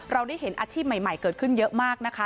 เราได้เห็นอาชีพใหม่เกิดขึ้นเยอะมากนะคะ